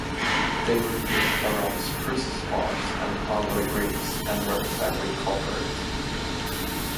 They were built around spruce spars and alloy ribs and were fabric covered.